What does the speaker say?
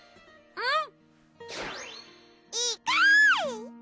うん！